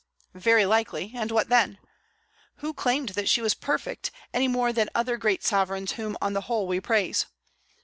Very likely, and what then? Who claimed that she was perfect, any more than other great sovereigns whom on the whole we praise?